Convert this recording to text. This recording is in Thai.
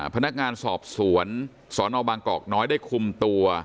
พนักงานสอบสวนสนบางกอกน้อยได้คุมตัว